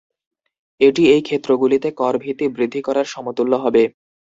এটি এই ক্ষেত্রগুলিতে কর ভিত্তি বৃদ্ধি করার সমতুল্য হবে।